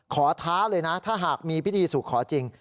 ท้าเลยนะถ้าหากมีพิธีสู่ขอจริง